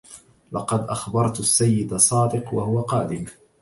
لقد أخبرت السيّد صادق و هو قادم.